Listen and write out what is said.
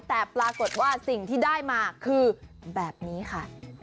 แต่ปรากฏว่าสิ่งที่ได้มาคือแบบนี้ค่ะ